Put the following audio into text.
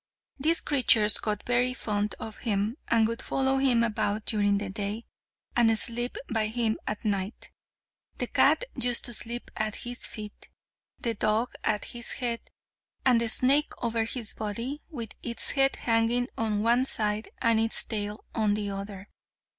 These creatures got very fond of him, and would follow him about during the day, and sleep by him at night; the cat used to sleep at his feet, the dog at his head, and the snake over his body, with its head hanging on one side and its tail on the other.